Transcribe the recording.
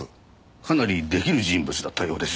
かなりデキる人物だったようです。